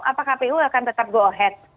apa kpu akan tetap go ahead